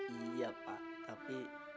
iya pak tapi